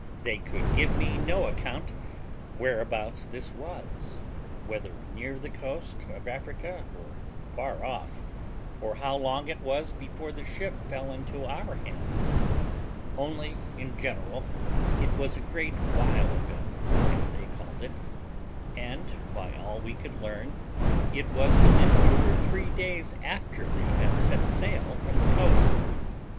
They could give me no account whereabouts this was, whether near the coast of Africa, or far off, or how long it was before the ship fell into our hands; only, in general, it was a great while ago, as they called it; and, by all we could learn, it was within two or three days after they had set sail from the coast.